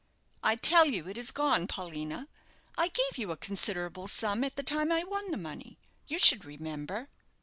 "I tell you it is gone, Paulina. I gave you a considerable sum at the time I won the money you should remember."